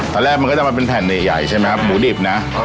ตอนแรกมันก็จะมาเป็นแผ่นใหญ่ใช่ไหมครับหมูดิบนะ